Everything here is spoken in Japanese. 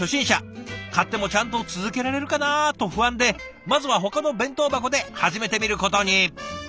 「買ってもちゃんと続けられるかな？」と不安でまずはほかの弁当箱で始めてみることに。